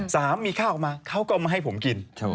สามีข้าวออกมาเขาก็เอามาให้ผมกิน